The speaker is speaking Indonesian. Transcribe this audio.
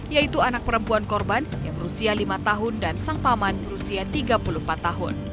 yaitu anak perempuan korban yang berusia lima tahun dan sang paman berusia tiga puluh empat tahun